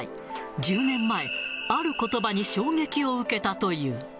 １０年前、あることばに衝撃を受けたという。